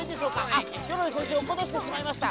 あっヒョロリせんしゅおっことしてしまいました。